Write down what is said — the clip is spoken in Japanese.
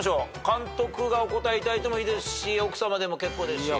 監督がお答えいただいてもいいですし奥さまでも結構ですし。